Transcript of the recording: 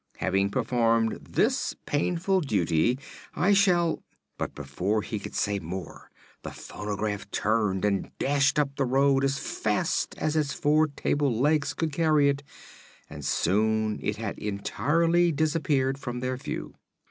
Having performed this painful duty I shall " But before he could say more the phonograph turned and dashed up the road as fast as its four table legs could carry it, and soon it had entirely disappeared from their view.